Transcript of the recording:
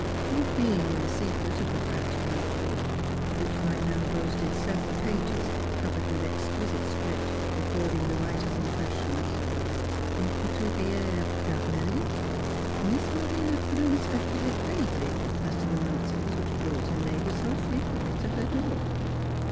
Not being in the secret of the fat blank book, which by now boasted several pages covered with exquisite script recording the writer's impressions of " Une Couturlere d'Amerique" Miss Malvina could only speculate vaguely as to the motives which brought her neighbor so frequently to her door.